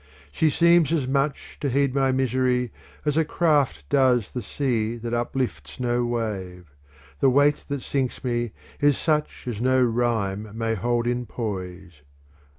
She seems as much to heed my misery as a craft does a sea that uplifts no wave : the weight that sinks me is such as no rhyme may hold in poise.